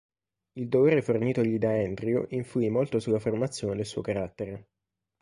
Il dolore fornitogli da Andrew influì molto sulla formazione del suo carattere.